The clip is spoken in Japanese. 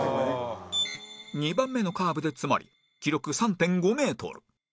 ２番目のカーブで詰まり記録 ３．５ メートル